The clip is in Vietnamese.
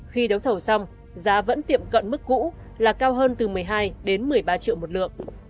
khi đấu thầu xong giá vẫn tiệm cận mức cũ là cao hơn từ một mươi hai đến một mươi ba triệu một lượng